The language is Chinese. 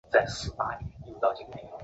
以独特的流线型外观成为流经的景象。